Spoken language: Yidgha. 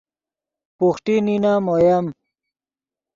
بوخٹی نینم اویم